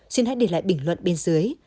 xin hãy để lại bình luận bên dưới